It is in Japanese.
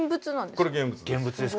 これ現物です。